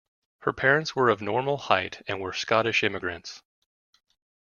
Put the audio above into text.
Her parents were of normal height and were Scottish immigrants.